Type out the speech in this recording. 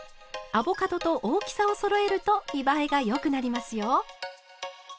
アボカドと大きさをそろえると見栄えがよくなりますよ。